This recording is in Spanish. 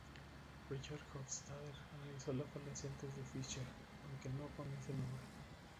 Richard Hofstadter analizó la falacia antes que Fischer, aunque no con ese nombre.